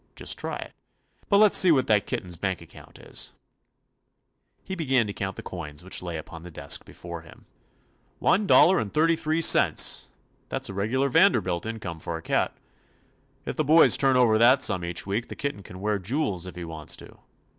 Just try it. But let's see what the kitten's bank account is." 47 THE ADVENTURES OF He began to count the coins which lay upon the desk before him. "One dollar and thirty three cents! That 's a regular Vanderbilt income for a cat. If the boys turn over that sum each week the kitten can wear *jools' if he wants to.